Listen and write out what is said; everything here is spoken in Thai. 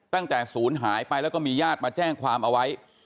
ตั้งแต่ศูนย์หายไปแล้วก็มีญาติมาแจ้งความเอาไว้